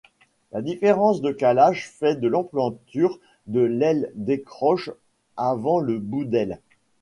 La différence de calage fait que l'emplanture de l'aile décroche avant le bout d'aile.